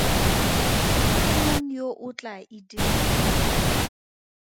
Ke mang yo o tlaa e dirang?